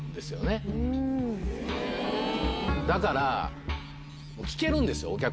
だから聴けるんですよ